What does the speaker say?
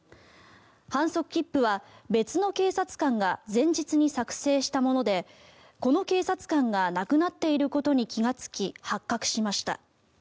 反則切符は別の警察官が前日に作成したものでこの警察官がなくなっていることに気がつき発覚しました。